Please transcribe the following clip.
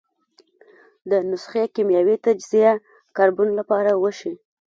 د نسخې کیمیاوي تجزیه کاربن له پاره وشي.